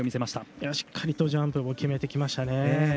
しっかりとジャンプを決めてきましたね。